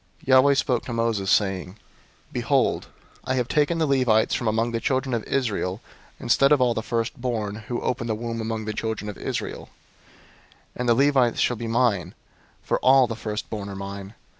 003:011 Yahweh spoke to Moses, saying, 003:012 "Behold, I have taken the Levites from among the children of Israel instead of all the firstborn who open the womb among the children of Israel; and the Levites shall be mine: 003:013 for all the firstborn are mine.